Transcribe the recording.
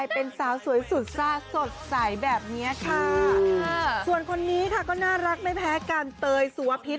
เป็นสาวสวยสุดซ่าสดใสแบบนี้ค่ะส่วนคนนี้ค่ะก็น่ารักไม่แพ้กันเตยสุวพิษ